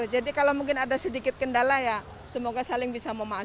jadi kalau mungkin ada sedikit kendala ya semoga saling bisa memaklumi